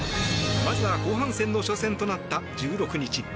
まずは後半戦の初戦となった１６日。